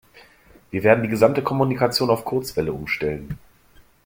Wir werden die gesamte Kommunikation auf Kurzwelle umstellen.